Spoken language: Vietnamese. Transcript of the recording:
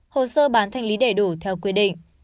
hồ sơ bán thanh lý đầy đủ theo quy định